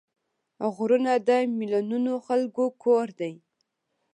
غرونه د میلیونونو خلکو کور دی